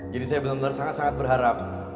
jadi saya benar benar sangat sangat berharap